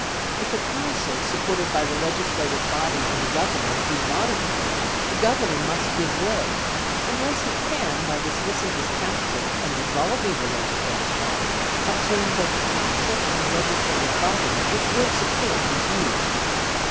If a council, supported by the legislative body and the governor do not agree, the governor must give way unless he can, by dismissing his council and dissolving the legislative body, obtain both a council and a legislative body which will support his views.